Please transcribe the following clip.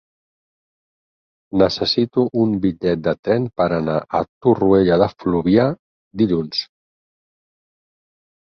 Necessito un bitllet de tren per anar a Torroella de Fluvià dilluns.